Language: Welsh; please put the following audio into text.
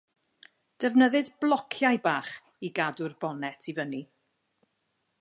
Defnyddid blociau bach i gadw'r bonet i fyny.